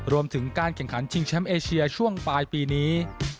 รวมถึงการแข่งขันชิงแชมป์เอเชียช่วงปลายปีนี้